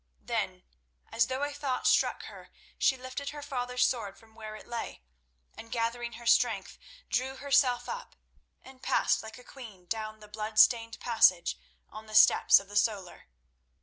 Then, as though a thought struck her, she lifted her father's sword from where it lay, and gathering her strength, drew herself up and passed like a queen down the blood stained passage and the steps of the solar.